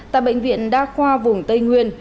tại bệnh viện đa khoa vùng tây nguyên